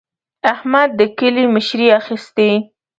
احمد د کلي مشري اخېستې.